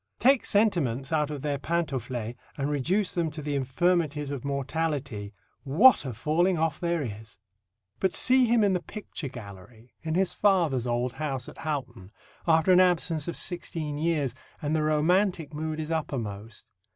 Take sentiments out of their pantaufles, and reduce them to the infirmities of mortality, what a falling off there is!" But see him in the picture gallery in his father's old house at Houghton, after an absence of sixteen years, and the romantic mood is upper most.